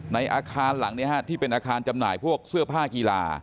ในอาคารหลังนี้ที่เป็นอาคารจำหน่ายพวกเสื้อผ้ากีฬา